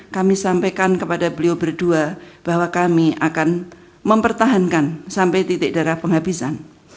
kami sampaikan kepada beliau berdua bahwa kami akan mempertahankan sampai titik darah penghabisan